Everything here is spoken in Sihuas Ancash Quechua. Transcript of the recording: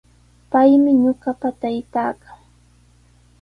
Paymi ñuqapa taytaaqa.